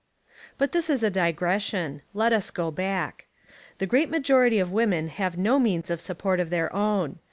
But this is a digression. Let us go back. The great majority of women have no means of support of their own.